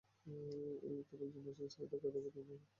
এতে লোকজন অতিষ্ঠ হয়ে তাঁকে আটক করে টহল পুলিশের কাছে সোপর্দ করে।